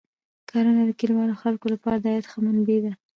کرنه د کلیوالو خلکو لپاره د عاید ښه منبع ده.